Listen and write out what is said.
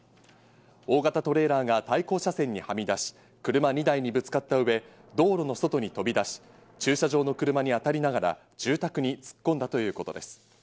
大型トレーラーが対向車線にはみ出し、車２台にぶつかったうえ、道路の外に飛び出し、駐車場の車に当たりながら住宅に突っ込んだということです。